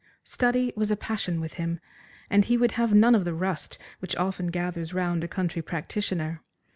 Study was a passion with him, and he would have none of the rust which often gathers round a country practitioner.